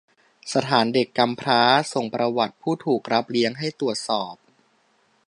สถานเด็กกำพร้าส่งประวัติผู้ถูกรับเลี้ยงให้ตรวจสอบ